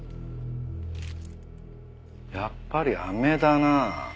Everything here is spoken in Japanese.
やっぱりあめだな。